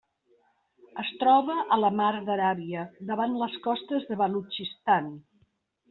Es troba a la Mar d'Aràbia: davant les costes de Balutxistan.